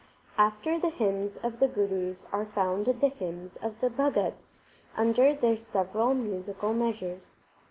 After the hymns of the Gurus are found the hymns of the Bhagats under their several musical measures.